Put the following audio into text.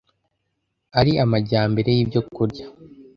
ari amajyambere y’ibyo kurya